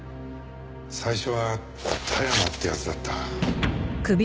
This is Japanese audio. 最初は田山って奴だった。